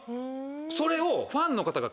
それを。